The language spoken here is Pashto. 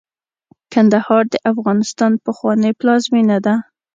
کندهار د افغانستان پخوانۍ پلازمېنه ده.